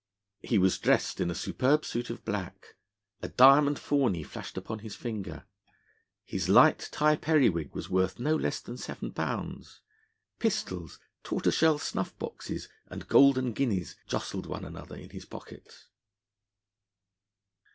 He was dressed in a superb suit of black; a diamond fawney flashed upon his finger; his light tie periwig was worth no less than seven pounds; pistols, tortoise shell snuff boxes, and golden guineas jostled one another in his pockets.